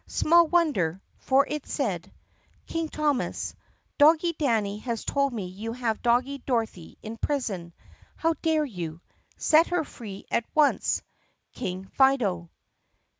Small wonder, for it said — King Thomas : Doggie Danny has told me you have put Doggie Dorothy in prison. How dare you ! Set her free at once ! King Fido.